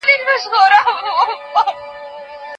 د تحلیل سطحې ډېرې مهمې دي.